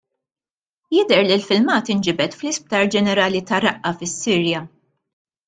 Jidher li l-filmat inġibed fl-Isptar Ġenerali ta' Raqqa fis-Sirja.